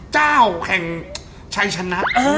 เจ้าแห่งชายชนัก